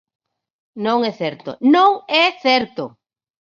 Non é certo, ¡non é certo!